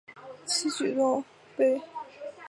此举动对本线的影响极为深远。